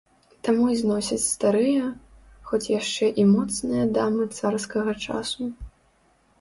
Таму і зносяць старыя, хоць яшчэ і моцныя дамы царскага часу.